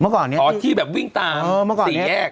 เมื่อก่อนนี้เออที่แบบวิ่งตามสี่แยก